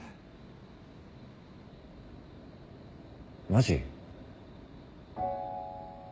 マジ？